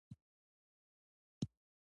اوړي د افغانستان د اقلیم ځانګړتیا ده.